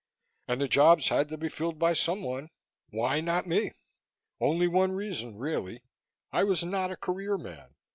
And the jobs had to be filled by someone. Why not me? Only one reason, really. I was not a career man.